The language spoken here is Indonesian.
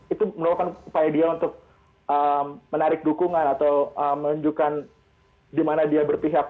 itu merupakan upaya dia untuk menarik dukungan atau menunjukkan di mana dia berpihak